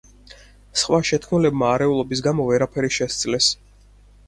სხვა შეთქმულებმა არეულობის გამო ვერაფერი შესძლეს.